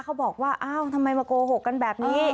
เขาบอกว่าอ้าวทำไมมาโกหกกันแบบนี้